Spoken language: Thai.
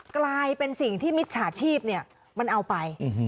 กลายเป็นสิ่งที่มิจฉาชีพมันเอาไป